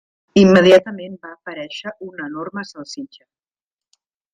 Immediatament va aparèixer una enorme salsitxa.